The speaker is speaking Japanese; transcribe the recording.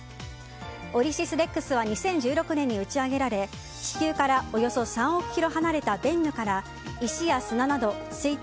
「オシリス・レックス」は２０１６年に打ち上げられ地球からおよそ３億ｋｍ離れたベンヌから石や砂など推定